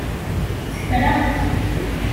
Tefra!